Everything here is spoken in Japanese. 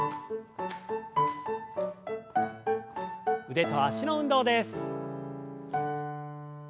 腕と脚の運動です。